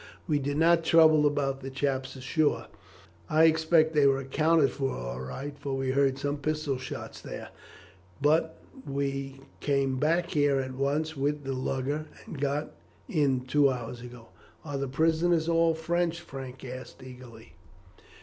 We did not trouble about the chaps ashore. I expect they were accounted for all right, for we heard some pistol shots there, but we came back here at once with the lugger, and got in two hours ago." "Are the prisoners all French?" Frank asked eagerly.